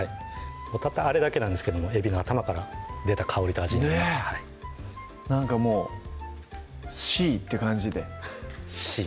たったあれだけなんですけどもえびの頭から出た香りと味になりますなんかもうシーって感じでシー？